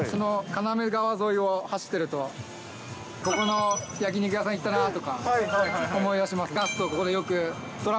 金目川沿いを走ってると、ここの焼き肉屋さん行ったなとか、思い出します。